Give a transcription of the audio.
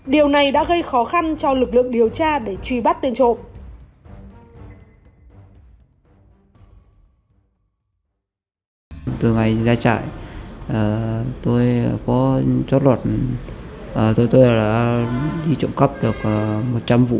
điều này đã gây khó khăn cho lực lượng điều tra để truy bắt tên trộm